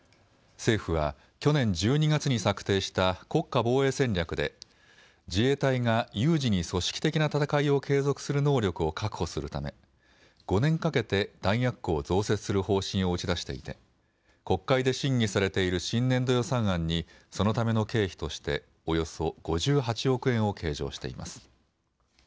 政府は去年１２月に策定した国家防衛戦略で自衛隊が有事に組織的な戦いを継続する能力を確保するため５年かけて弾薬庫を増設する方針を打ち出していて国会で審議されている新年度予算案にそのための経費としておよそ５８億円を計上しています。